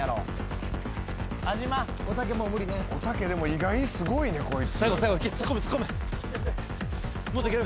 おたけでも意外にすごいねこいつ。